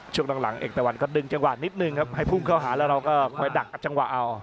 ช่วงหลังเอกตะวันก็ดึงจังหวะนิดนึงครับให้พุ่งเข้าหาแล้วเราก็คอยดักจังหวะเอา